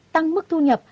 tăng mức thu nhập